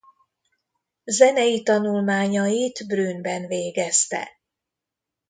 Zenei tanulmányait Brünnben végezte.